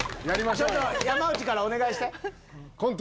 ちょっと山内からお願いして。